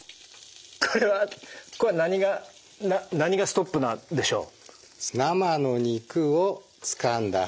これはこれは何が何がストップなんでしょう？